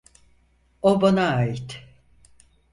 O bana ait!